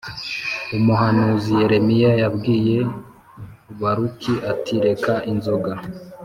umuhanuzi Yeremiya yabwiye Baruki ati reka inzoga